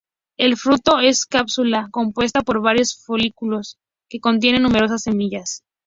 El fruto es una cápsula compuesta por varios folículos que contienen numerosas semillas.